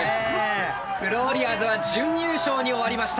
フローリアーズは準優勝に終わりました。